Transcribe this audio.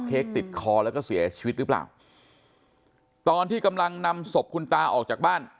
ติดคอแล้วก็เสียชีวิตหรือเปล่าตอนที่กำลังนำศพคุณตาออกจากบ้าน